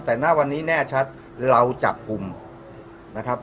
แต่ณวันนี้แน่ชัดเราจับกลุ่มนะครับ